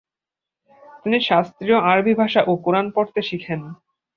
তিনি শাস্ত্রীয় আরবি ভাষা এবং কোরআন পড়তে শিখেন।